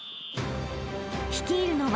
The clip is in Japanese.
［率いるのは］